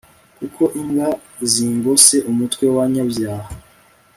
kuko imbwa zingose umutwe w abanyabyaha